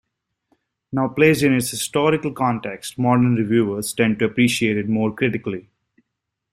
Now placed in its historical context, modern reviewers tend to appreciate it more critically.